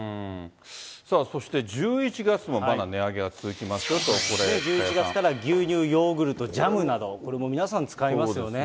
さあそして、１１月もまだ値１１月から牛乳、ヨーグルト、ジャムなど、これもう、皆さん使いますよね。